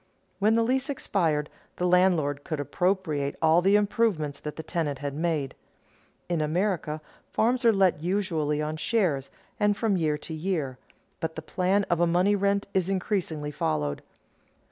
When the lease expired, the landlord could appropriate all the improvements that the tenant had made. In America farms are let usually on shares, and from year to year, but the plan of a money rent is increasingly followed.